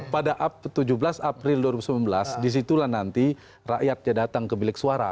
pada tujuh belas april dua ribu sembilan belas disitulah nanti rakyatnya datang ke bilik suara